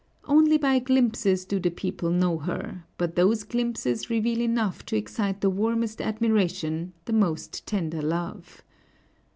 Only by glimpses do the people know her, but those glimpses reveal enough to excite the warmest admiration, the most tender love.